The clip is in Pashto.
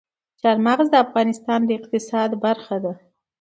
چار مغز د افغانستان د اقتصاد برخه ده.